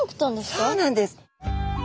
そうなんです。